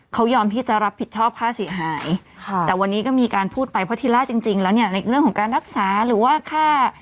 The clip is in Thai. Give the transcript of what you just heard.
เขายอมที่จะรับผิดชอบค่าเสียหายค่ะแต่วันนี้ก็มีการพูดไปเพราะทีแรกจริงจริงแล้วเนี่ยในเรื่องของการรักษาหรือว่าค่า